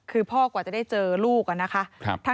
คือพ่อกว่าจะได้เจอลูกนะคะ